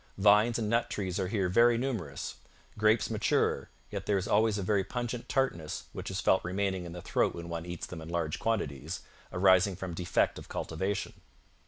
Vines and nut trees are here very numerous. Grapes mature, yet there is always a very pungent tartness, which is felt remaining in the throat when one eats them in large quantities, arising from defect of cultivation.